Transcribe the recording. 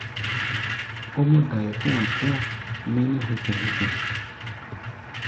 Ó mɔ́-dai kɔ̧́-a̧ tó nɛ́nɛ́ hukɛ-hukɛ.